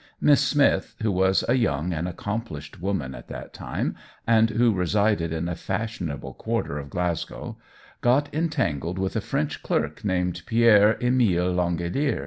Miss Smith, who was a young and accomplished woman at that time, and who resided in a fashionable quarter of Glasgow, got entangled with a French clerk named Pierre Emile L'Angelier.